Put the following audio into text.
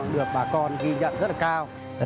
được bà con ghi nhận rất là cao